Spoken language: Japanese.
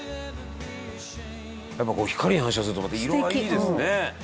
「やっぱ光に反射するとまた色がいいですね」